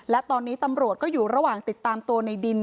และตอนนี้ตำรวจก็อยู่ระหว่างติดตามตัวในดิน